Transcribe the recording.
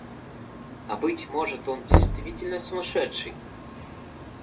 А быть может, он действительно сумасшедший?